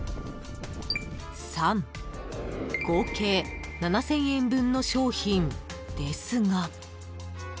［合計７，０００円分の商品ですが］